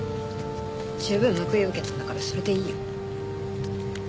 十分報いを受けたんだからそれでいいよ。